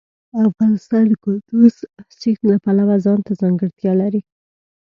افغانستان د کندز سیند له پلوه ځانته ځانګړتیا لري.